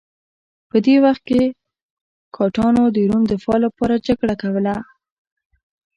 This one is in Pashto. په دې وخت کې ګاټانو د روم دفاع لپاره جګړه کوله